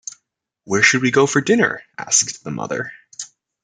“Where should we go for dinner?” asked the mother.